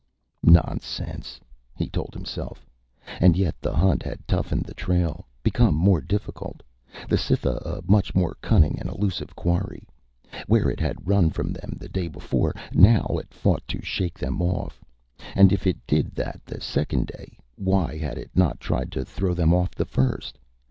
Nonsense, he told himself. And yet the hunt had toughened, the trail become more difficult, the Cytha a much more cunning and elusive quarry. Where it had run from them the day before, now it fought to shake them off. And if it did that the second day, why had it not tried to throw them off the first?